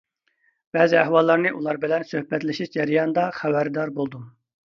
بەزى ئەھۋاللارنى ئۇلار بىلەن سۆھبەتلىشىش جەريانىدا خەۋەردار بولدۇم.